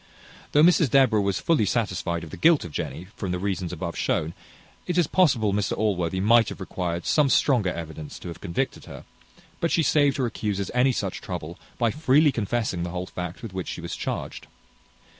Though Mrs Deborah was fully satisfied of the guilt of Jenny, from the reasons above shewn, it is possible Mr Allworthy might have required some stronger evidence to have convicted her; but she saved her accusers any such trouble, by freely confessing the whole fact with which she was charged.